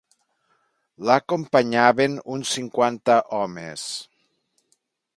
L'acompanyaven uns cinquanta homes.